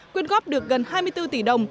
quyên góp được gần hai mươi bốn tỷ đồng